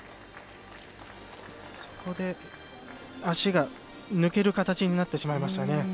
足が抜ける形になってしまいましたね。